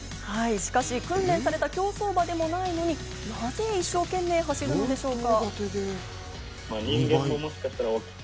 しかし訓練された競走馬でもないのになぜ一生懸命走るのでしょうか。